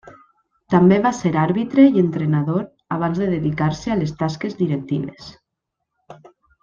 També va ser àrbitre i entrenador, abans de dedicar-se a les tasques directives.